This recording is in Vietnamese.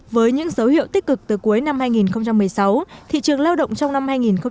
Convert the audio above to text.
với những dấu hiệu tích cực từ cuối năm hai nghìn một mươi sáu thị trường lao động trong năm hai nghìn một mươi tám